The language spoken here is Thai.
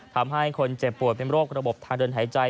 ทำให้คนเจ็บปวดเป็นโรคระบบทางเดินหายใจ